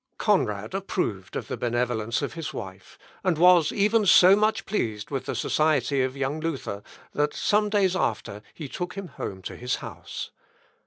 Conrad approved of the benevolence of his wife, and was even so much pleased with the society of young Luther, that some days after he took him home to his house.